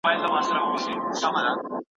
هوښيار لږ وايي